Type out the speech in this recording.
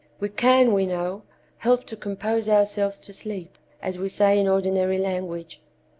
We can, we know, help to compose ourselves to sleep, as we say in ordinary language.